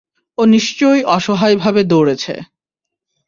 ও নিশ্চয়ই অসহায়ভাবে দৌড়েছে।